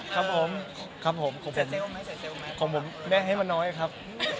ครับผมครับผมของผมได้ให้มันน้อยครับ